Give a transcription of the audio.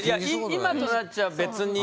「今となっちゃ別に」